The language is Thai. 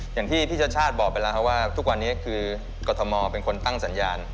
อย่างที่พี่ชัชชาติบอกไปแล้วว่าทุกวันนี้คือกรทมเป็นคนตั้งสัญญาณ